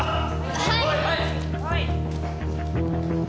はい